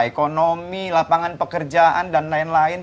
ekonomi lapangan pekerjaan dan lain lain